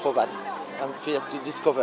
vì vậy tôi đến đây để chia sẻ